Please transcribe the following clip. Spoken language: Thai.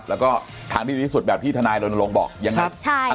แล้วก็ทางที่ดีที่สุดแบบที่ทนายรณรงค์บอกยังไง